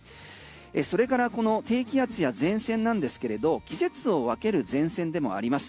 それからこの低気圧や前線なんですけれど季節を分ける前線でもあります。